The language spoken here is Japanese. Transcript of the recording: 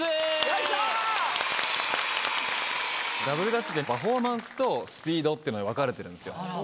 ダブルダッチでパフォーマンスとスピードっていうのに分かれてるんですよ